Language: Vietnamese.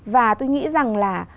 và tôi nghĩ rằng là